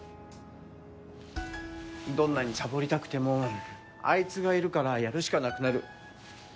どんなにサボりたくてもあいつがいるからやるしかなくなる。